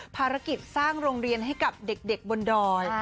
ภารกิจสร้างโรงเรียนให้กับเด็กบนดอย